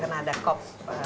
karena ada cop dua puluh satu